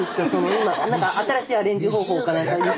今なんか新しいアレンジ方法かなんかありますか？